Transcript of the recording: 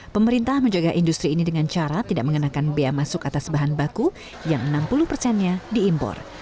pemerintah menjaga industri ini dengan cara tidak mengenakan bea masuk atas bahan baku yang enam puluh persennya diimpor